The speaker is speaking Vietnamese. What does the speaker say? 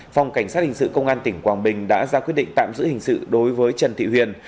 phòng cảnh sát hình sự công an tỉnh quảng bình đã ra quyết định tạm giữ hình sự đối với trần thị huyền